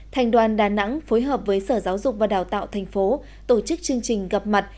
thành đoàn đà nẵng phối hợp với sở giáo dục và đào tạo thành phố tổ chức chương trình gặp mặt